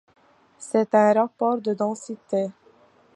C'est un rapport de densité.